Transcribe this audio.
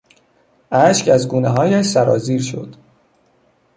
اشک از گونههایش سرازیر شد.